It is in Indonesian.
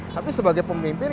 tapi sebagai pemimpin